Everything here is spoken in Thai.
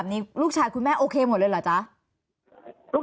ตอนที่จะไปอยู่โรงเรียนนี้แปลว่าเรียนจบมไหนคะ